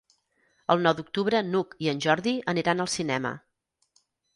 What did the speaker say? El nou d'octubre n'Hug i en Jordi aniran al cinema.